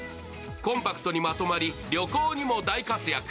コンパクトにまとまり、旅行にも大活躍。